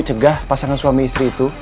cegah pasangan suami istri itu